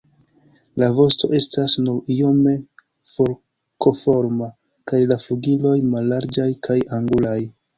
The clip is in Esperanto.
La vosto estas nur iome forkoforma kaj la flugiloj mallarĝaj kaj angulaj.